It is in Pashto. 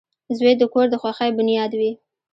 • زوی د کور د خوښۍ بنیاد وي.